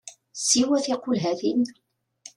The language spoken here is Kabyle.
Siwa tiqulhatin!